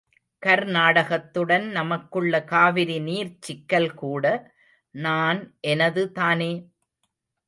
கர்நாடகத்துடன் நமக்குள்ள காவிரி நீர்ச் சிக்கல்கூட நான் எனது தானே!